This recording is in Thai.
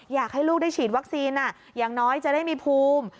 อยากให้ลูกได้ฉีดวัคซีนอย่างน้อยจะได้มีภูมิ